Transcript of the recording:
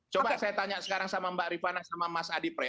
coba saya tanya sekarang sama mbak rifana sama mas adi pre